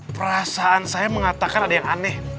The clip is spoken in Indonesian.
perasaan saya mengatakan ada yang aneh